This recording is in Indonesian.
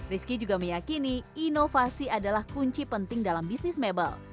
rizky juga meyakini inovasi adalah kunci penting dalam bisnis mebel